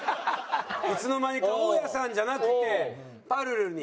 いつの間にか大家さんじゃなくてぱるるに。